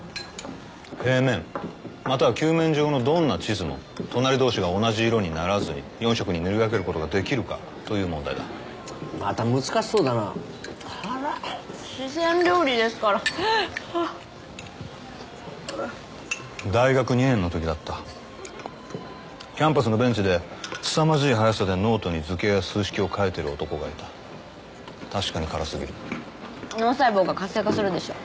平面または球面状のどんな地図も隣同士が同じ色にならずに４色に塗り分けることができるかという問題だまた難しそうだな辛っ四川料理ですからひぃはっ大学２年の時だったキャンパスのベンチですさまじい速さでノートに図形や数式を書いてる男がいた確かに辛すぎる脳細胞が活性化するでしょ